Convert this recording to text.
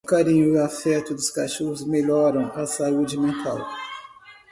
O carinho e afeto dos cachorros melhoram a saúde mental.